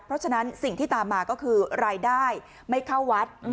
เพราะฉะนั้นสิ่งที่ตามมาก็คือรายได้ไม่เข้าวัด